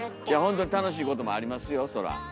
いやほんとに楽しいこともありますよそら。